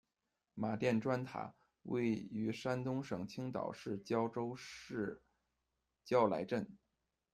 马店砖塔，位于山东省青岛市胶州市胶莱镇。